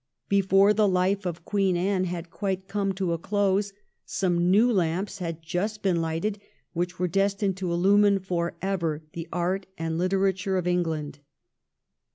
Before the life of Queen Anne had quite come to a close some new lamps had just been lighted which were destined to illumine for ever the art and the Uterature of England.